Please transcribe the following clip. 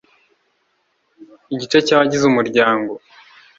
igice cy abagize umuryango